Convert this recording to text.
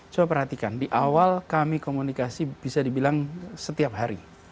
coba perhatikan di awal kami komunikasi bisa dibilang setiap hari